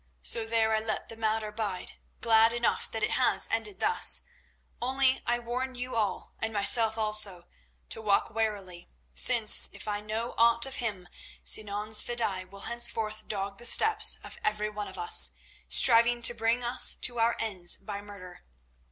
So there I let the matter bide, glad enough that it has ended thus. Only I warn you all—and myself also—to walk warily, since, if I know aught of him, Sinan's fedaïs will henceforth dog the steps of everyone of us, striving to bring us to our ends by murder.